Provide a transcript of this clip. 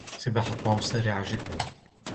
سباحة توم سريعة جداً.